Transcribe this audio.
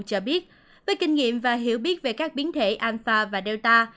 cho biết với kinh nghiệm và hiểu biết về các biến thể anfa và delta